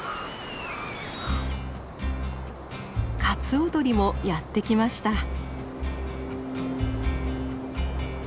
カツオドリもやって来ました。